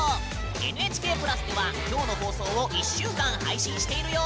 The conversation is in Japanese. ＮＨＫ＋ではきょうの放送を１週間配信しているよ。